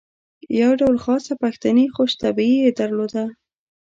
یو ډول خاصه پښتني خوش طبعي یې درلوده.